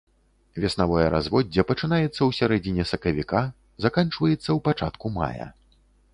Веснавое разводдзе пачынаецца ў сярэдзіне сакавіка, заканчваецца ў пачатку мая.